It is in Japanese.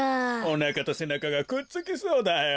おなかとせなかがくっつきそうだよ。